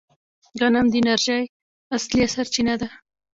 غنم د انرژۍ اصلي سرچینه ده.